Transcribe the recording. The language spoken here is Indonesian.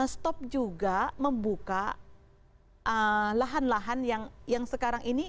stop juga membuka lahan lahan yang sekarang ini